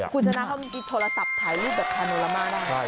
คุณชนะเขามีโทรศัพท์ถ่ายรูปแบบคาโนลามาได้